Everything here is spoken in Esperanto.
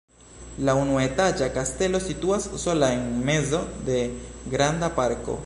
La unuetaĝa kastelo situas sola en mezo de granda parko.